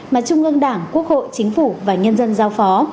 mà trung ương đảng quốc hội chính phủ và nhân dân giao phó